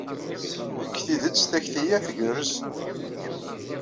Deg tidet, takti-a tgerrez.